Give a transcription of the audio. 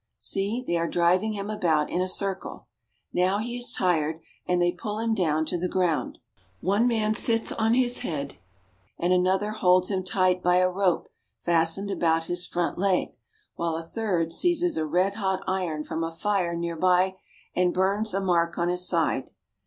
See, they are driving him about in a circle. Now he is tired, and they pull him down to the ground. One man sits on his head, and another holds him tight by a rope fastened about his front leg, while a third seizes a red hot iron from a fire near by and burns a mark on his side.